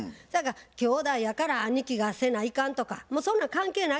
兄弟やから兄貴がせないかんとかそんなん関係ないです。